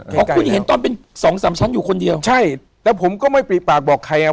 เพราะคุณเห็นตอนเป็นสองสามชั้นอยู่คนเดียวใช่แต่ผมก็ไม่ปริปากบอกใครอ่ะ